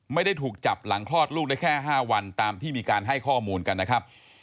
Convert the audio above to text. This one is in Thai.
ไม่ได้ถูกจับหลังคลอดลูกได้แค่๕วันตามที่มีการให้ข้อมูลกันนะครับ